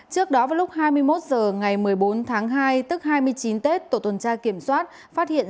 trước đó vào lúc hai mươi một h ngày một mươi bốn tháng hai tức hai mươi chín tết tổ tuần tra kiểm soát phát hiện